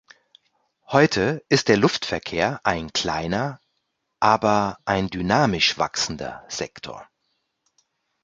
Heute ist der Luftverkehr ein kleiner, aber ein dynamisch wachsender Sektor.